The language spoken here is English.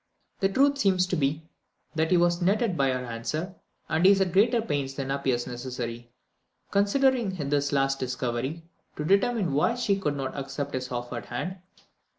The truth seems to be, that he was nettled by her answer, and he is at greater pains than appears necessary, considering this last discovery, to determine why she would not accept his offered hand.